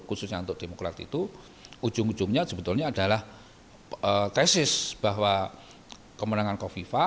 khususnya untuk demokrat itu ujung ujungnya sebetulnya adalah tesis bahwa kemenangan kofifa